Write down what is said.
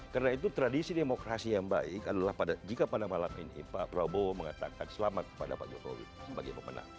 karena itu tradisi demokrasi yang baik adalah jika pada malam ini pak prabowo mengatakan selamat kepada pak jokowi sebagai pemenang